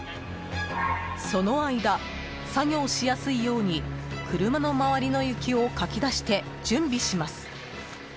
その間、作業しやすいように車の周りの雪をかき出して準備します。